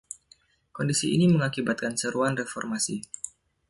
Kondisi ini mengakibatkan seruan reformasi.